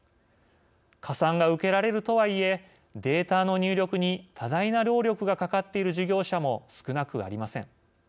加算が受けられるとはいえデータの入力に多大な労力がかかっている事業者も少なくありません。